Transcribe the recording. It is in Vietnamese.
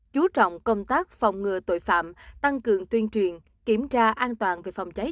chú trọng công tác phòng ngừa tội phạm tăng cường tuyên truyền kiểm tra an toàn về phòng cháy